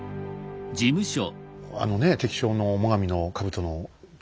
あのね敵将の最上の兜の傷。